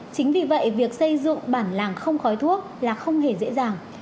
chính vì vậy việc xây dựng bản làng không khói thuốc là không hề dễ dàng